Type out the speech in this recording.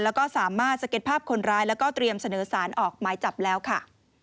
แล้วก็สามารถสเก็ตภาพคนร้ายแล้วก็เตรียมเสนอสารออกหมายจับแล้วค่ะ